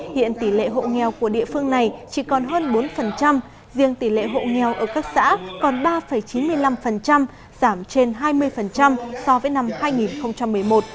hiện tỷ lệ hộ nghèo của địa phương này chỉ còn hơn bốn riêng tỷ lệ hộ nghèo ở các xã còn ba chín mươi năm giảm trên hai mươi so với năm hai nghìn một mươi một